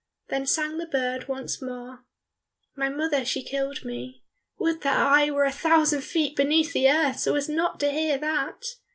Then sang the bird once more, "My mother she killed me." "Would that I were a thousand feet beneath the earth so as not to hear that!"